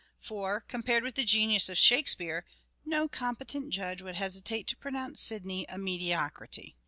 For, com pared with the genius of Shakespeare, no competent judge would hesitate to pronounce Sidney a medio crity.